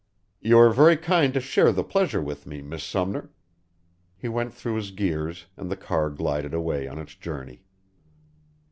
"You are very kind to share the pleasure with me, Miss Sumner." He went through his gears, and the car glided away on its journey.